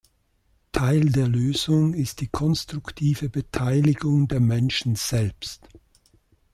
Teil der Lösung ist die konstruktive Beteiligung der Menschen selbst.